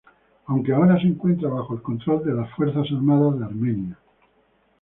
Aunque ahora se encuentra bajo el control de las Fuerzas Armadas de Armenia.